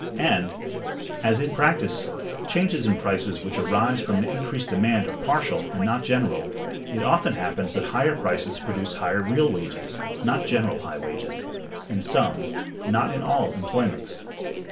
And, as in practice, changes in prices which arise from an increased demand are partial, and not general, it often happens that high prices produce high real wages (not general high wages) in some, not in all employments.